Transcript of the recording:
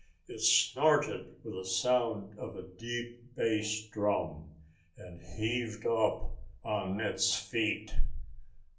It snorted with the sound of a deep bass drum, and heaved up on its feet.